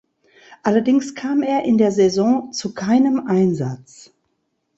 Allerdings kam er in der Saison zu keinem Einsatz.